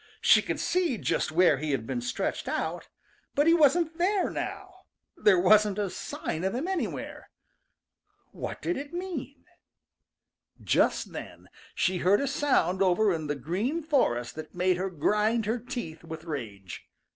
She could see just where he had been stretched out, but he wasn't there now. There wasn't a sign of him anywhere! What did it mean? Just then she heard a sound over in the Green Forest that made her grind her teeth with rage.